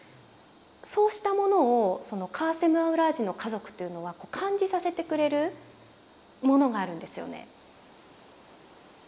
そうしたものをカーセム・アウラージの家族というのは感じさせてくれるものがあるんですよね。